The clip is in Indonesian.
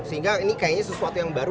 sehingga ini kayaknya sesuatu yang baru